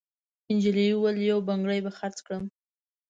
نجلۍ وویل: «یو بنګړی به خرڅ کړم.»